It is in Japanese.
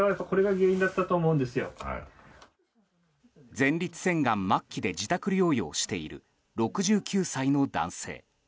前立腺がん末期で自宅療養している６９歳の男性。